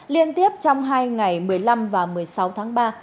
liên tiếp trong hai ngày một mươi năm và một mươi sáu tháng ba